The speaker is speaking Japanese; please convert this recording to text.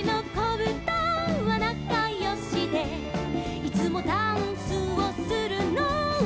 「いつもダンスをするのは」